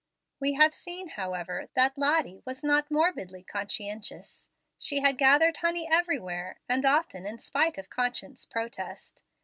We have seen, however, that Lottie was not morbidly conscientious. She had gathered honey everywhere, and often in spite of conscience's protest.